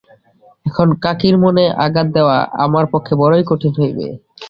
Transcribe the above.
এখন কাকীর মনে আঘাত দেওয়া আমার পক্ষে বড়োই কঠিন হইবে।